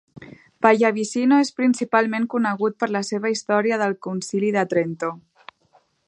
Pallavicino és principalment conegut per la seva "Història del Concili de Trento".